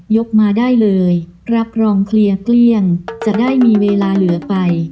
กมาได้เลยรับรองเคลียร์เกลี้ยงจะได้มีเวลาเหลือไป